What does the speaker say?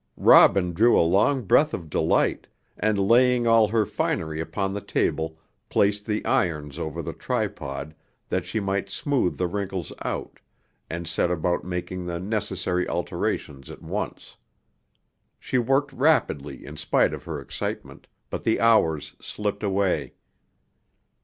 Robin drew a long breath of delight, and laying all her finery upon the table placed the irons over the tripod that she might smooth the wrinkles out, and set about making the necessary alterations at once. She worked rapidly in spite of her excitement, but the hours slipped away.